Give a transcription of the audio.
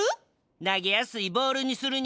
なげやすいボールにするには。